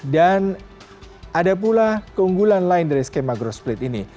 dan ada pula keunggulan lain dari skema growth split ini